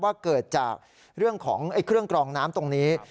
ว่าเกิดจากเรื่องของเครื่องกรองน้ำตรงนี้